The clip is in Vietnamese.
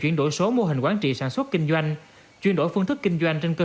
chuyển đổi số mô hình quản trị sản xuất kinh doanh chuyển đổi phương thức kinh doanh trên cơ